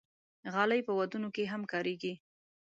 غالۍ په ودونو کې هم کارېږي.